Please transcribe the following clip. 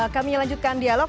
kami melanjutkan dialog